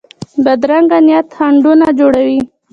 بدرنګه نیت خنډونه جوړوي